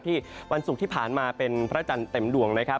วันศุกร์ที่ผ่านมาเป็นพระจันทร์เต็มดวงนะครับ